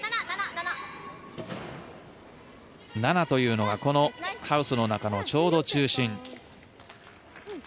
７というのはこのハウスの中のちょうど中心。